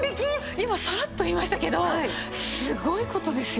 今サラッと言いましたけどすごい事ですよ。